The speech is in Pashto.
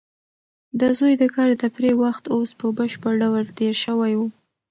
د زوی د کار د تفریح وخت اوس په بشپړ ډول تېر شوی و.